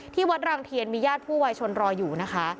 ที่วัดรางเทียนมีญาติผู้วายชนรออยู่นะคะ